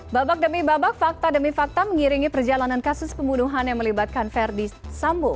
babak demi babak fakta demi fakta mengiringi perjalanan kasus pembunuhan yang melibatkan verdi sambo